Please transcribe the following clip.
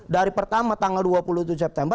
dari pertama tanggal dua puluh tujuh september